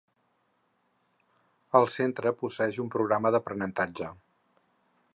El Centre posseeix un programa d'aprenentatge.